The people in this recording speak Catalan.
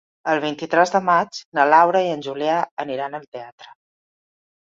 El vint-i-tres de maig na Laura i en Julià aniran al teatre.